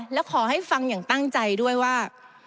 และขอให้ฟังอย่างตั้งใจด้วยว่า